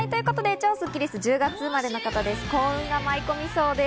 超スッキりすは１０月生まれの方です。